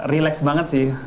relax banget sih